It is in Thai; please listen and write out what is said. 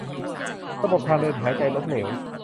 ระบบทางเดินหายใจล้มเหลว